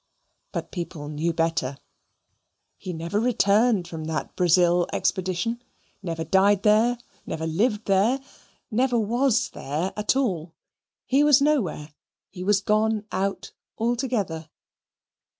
But people knew better; he never returned from that Brazil expedition never died there never lived there never was there at all. He was nowhere; he was gone out altogether.